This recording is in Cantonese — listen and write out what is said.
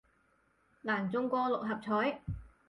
難中過六合彩